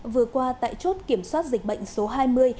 vừa qua tại chốt kiểm soát dịch bệnh số hai mươi